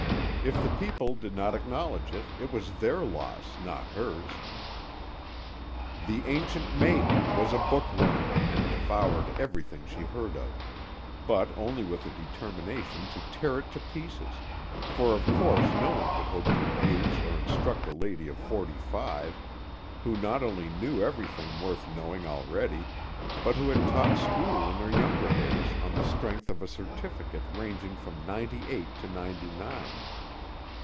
If the people did not acknowledge it, it was their loss, not hers. The Ancient Maiden was a book worm, and devoured everything she heard of; but only with a determination to tear it to pieces, for of course no one could hope to amuse or instruct a lady of forty five, who not only knew everything worth knowing already, but who had taught school in her younger days on the strength of a certificate ranging from ninety eight to ninety nine.